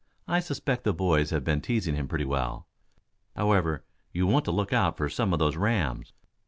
I suspect the boys have been teasing him pretty well. However, you want to look out for some of those rams.